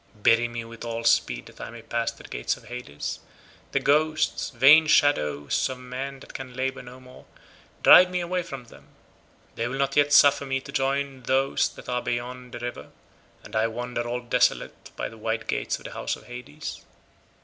Bury me with all speed that I may pass the gates of Hades; the ghosts, vain shadows of men that can labour no more, drive me away from them; they will not yet suffer me to join those that are beyond the river, and I wander all desolate by the wide gates of the house of Hades.